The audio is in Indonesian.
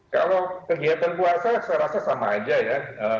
kalau kegiatan puasa saya rasa sama aja ya